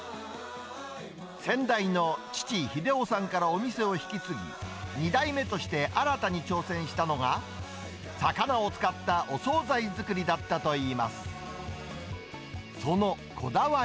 先代の父、英雄さんからお店を引き継ぎ、２代目として新たに挑戦したのが、魚を使ったお総菜作りだったといいます。